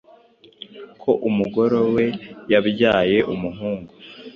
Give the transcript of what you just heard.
ko umugore we yabyaye umuhungu